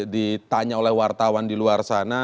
ditanya oleh wartawan di luar sana